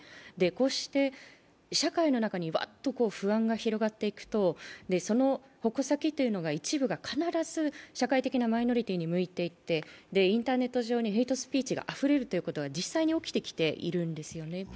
こうして社会の中にワッと不安が広がっていくと、その矛先の一部が必ず社会的なマイノリティーに向いていってインターネット上にヘイトスピーチがあふれるということが実際に起きてきているわけですね。